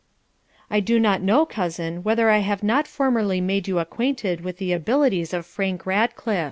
I do not know, cousin, whether I have not formerly made you acquainted with the abilities of Frank Ratcliff.